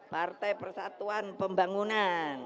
partai persatuan pembangunan